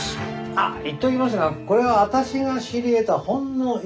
あっ言っておきますがこれは私が知り得たほんの一部ですからね。